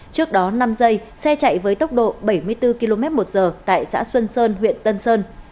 trước đó năm giây xe chạy với tốc độ bảy mươi bốn km một giờ tại xã xuân sơn huyện tân sơn